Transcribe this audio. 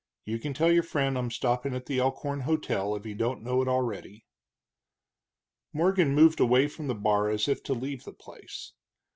You can tell your friend I'm stopping at the Elkhorn hotel, if he don't know it already." Morgan moved away from the bar as if to leave the place.